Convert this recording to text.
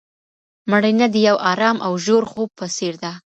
مړینه د یو ارام او ژور خوب په څیر ده.